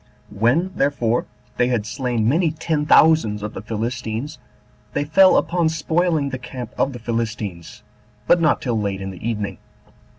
4. When, therefore, they had slain many ten thousands of the Philistines, they fell upon spoiling the camp of the Philistines, but not till late in the evening.